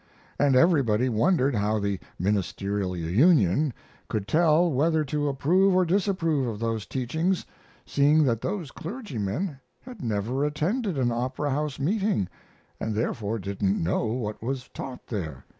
And everybody wondered how the Ministerial Union could tell whether to approve or disapprove of those teachings, seeing that those clergymen had never attended an Opera House meeting, and therefore didn't know what was taught there.